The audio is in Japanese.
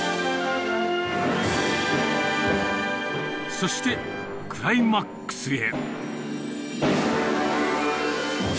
そして、クライマックスへ。